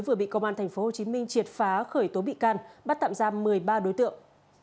vừa bị công an tp hcm triệt phá khởi tố bị can bắt tạm giam một mươi ba đối tượng